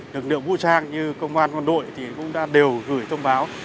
lực lượng vũ trang như công an quân đội thì cũng đã đều gửi thông báo